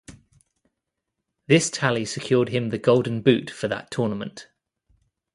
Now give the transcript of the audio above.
This tally secured him the Golden Boot for that tournament.